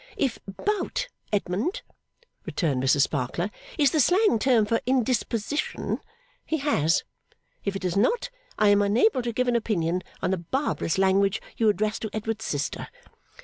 'If Bout, Edmund,' returned Mrs Sparkler, 'is the slang term for indisposition, he has. If it is not, I am unable to give an opinion on the barbarous language you address to Edward's sister.